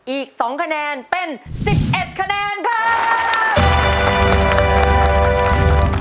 อีก๒คะแนนเป็น๑๑คะแนนครับ